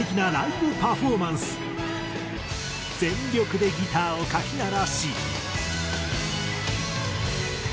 全力でギターをかき鳴らし。